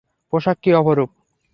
পোশাক কী অপরূপ!